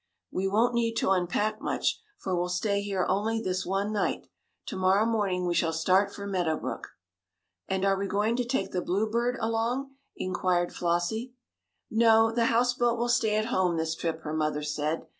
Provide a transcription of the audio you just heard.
We won't need to unpack much, for we'll stay here only this one night. To morrow morning we shall start for Meadow Brook." "And are we going to take the Bluebird along?" inquired Flossie. "No, the houseboat will stay at home this trip," her mother said.